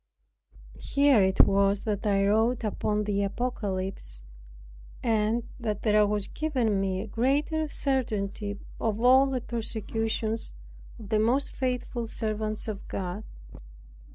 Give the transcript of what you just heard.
Here it was that I wrote upon the Apocalypse, and that there was given me a greater certainty of all the persecutions of the most faithful servants of God.